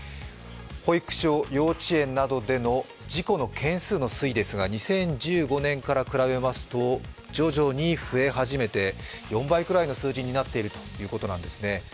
保育所、幼稚園などでの事故の件数の推移ですが２０１５年から比べると徐々に増え始めて４倍くらいの数字になっているということなんですね。